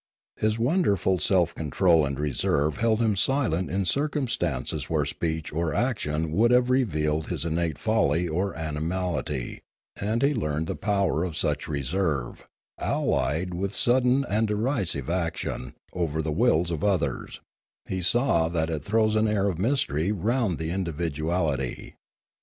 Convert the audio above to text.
His wonderful self control and reserve held him silent in circumstances where speech or action would have revealed his innate folly or animality, and he learned the power of such reserve, allied with 202 Limanora sudden and decisive action, over the wills of others; he saw that it throws an air of mystery round the indi viduality.